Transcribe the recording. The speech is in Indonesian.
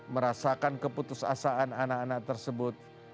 merasakan keputusasaan anak anak tersebut